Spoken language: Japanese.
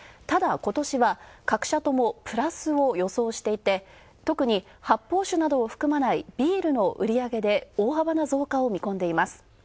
ただ、ことしは、各社ともプラスを予想していて、特に発泡酒などを含まないビールの売り上げで大幅な増加を見込んでいます。